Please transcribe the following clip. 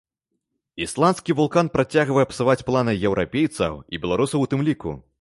Ісландскі вулкан працягвае псаваць планы еўрапейцаў, і беларусаў у тым ліку.